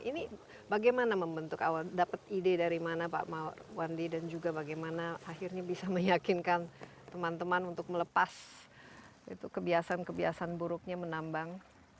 ini bagaimana membentuk awal dapat ide dari mana pak wandi dan juga bagaimana akhirnya bisa meyakinkan teman teman untuk melepas kebiasaan kebiasaan buruknya menambang